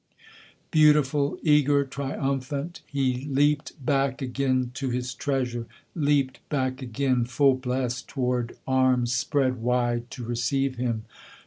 Beautiful, eager, triumphant, he leapt back again to his treasure; Leapt back again, full blest, toward arms spread wide to receive him.